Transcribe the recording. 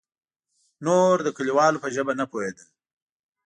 نور د کليوالو په ژبه نه پوهېدل.